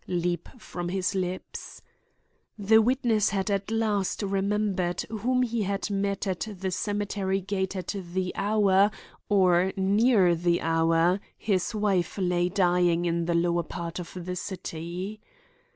_" leap from his lips. The witness had at last remembered whom he had met at the cemetery gate at the hour, or near the hour, his wife lay dying in the lower part of the city.